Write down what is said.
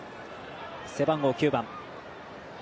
背番号９番。